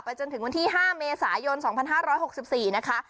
จนถึงวันที่๕เมษายน๒๕๖๔นะคะ